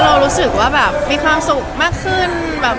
เรารู้สึกว่าแบบมีความสุขมากขึ้นแบบ